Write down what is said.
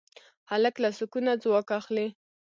هلک له سکون نه ځواک اخلي.